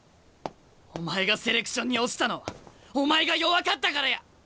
お前がセレクションに落ちたのはお前が弱かったからや。